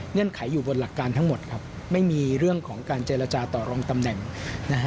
ไขอยู่บนหลักการทั้งหมดครับไม่มีเรื่องของการเจรจาต่อรองตำแหน่งนะฮะ